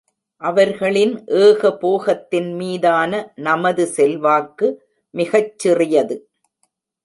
அவர்களின் ஏகபோகத்தின் மீதான நமது செல்வாக்கு மிகச் சிறியது.